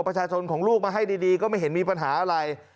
ประชาชนของลูกมาให้ดีก็ไม่เห็นมีปัญหาอะไร